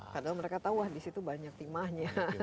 padahal mereka tahu wah di situ banyak timahnya